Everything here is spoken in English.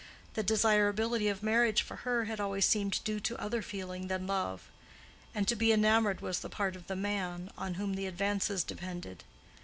The desirability of marriage for her had always seemed due to other feeling than love; and to be enamored was the part of the man, on whom the advances depended.